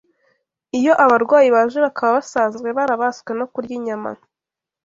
Iyo abarwayi baje bakaba basanzwe barabaswe no kurya inyama